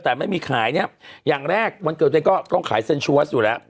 แต่ไม่มีขายเนี้ยอย่างแรกวันเกิดเนี้ยก็ต้องขายอยู่แล้ว